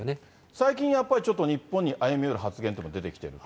最近やっぱりちょっと日本に歩み寄る発言も出てきていると。